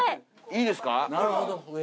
いいですか？